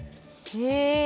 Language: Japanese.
へえ。